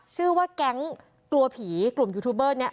ชื่อว่าแก๊งกลัวผีกลุ่มยูทูบเบอร์นี้